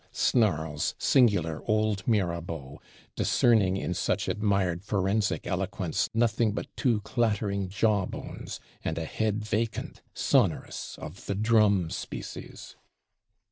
snarls singular old Mirabeau; discerning in such admired forensic eloquence nothing but two clattering jaw bones, and a head vacant, sonorous, of the drum species.